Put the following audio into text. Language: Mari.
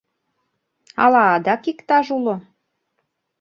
— Ала адак иктаж уло?